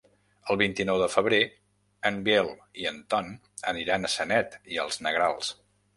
El vint-i-nou de febrer en Biel i en Ton aniran a Sanet i els Negrals.